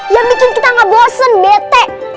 yang bikin kita gak bosen bete